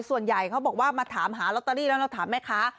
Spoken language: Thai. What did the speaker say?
ส่วนใหญ่เขาบอกว่ามาถามหาลอตเตอรี่แล้วเราถามแม่ค้า